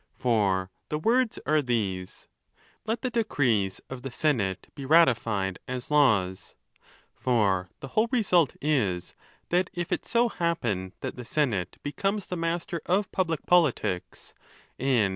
For the words are these,—Let the decrees of the senate be ratified as laws. For the while result is, that if it so happen that the senate becomes the master of public politics, and.